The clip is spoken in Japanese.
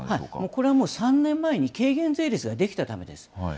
これはもう、３年前に軽減税率が出来たためです。